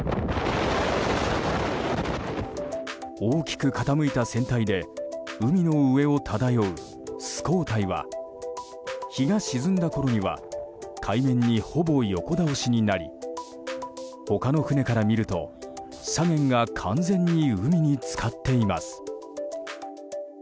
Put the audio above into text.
大きく傾いた船体で海の上を漂う「スコータイ」は日が沈んだころには海面にほぼ横倒しになり他の船から見ると左舷が完全に海に浸かっています。